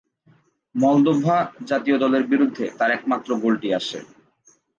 Moldova জাতীয় দলের বিরুদ্ধে তার একমাত্র গোলটি আসে।